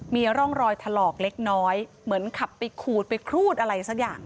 มีร่องรอยถลอกเล็กน้อยเหมือนขับไปขูดไปครูดอะไรสักอย่าง